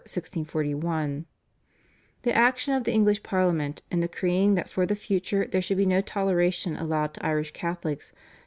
1641). The action of the English Parliament in decreeing that for the future there should be no toleration allowed to Irish Catholics (Dec.